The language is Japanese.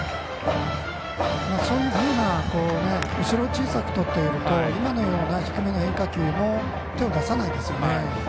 後ろを小さくとっていると今のような低めの変化球も手を出さないですよね。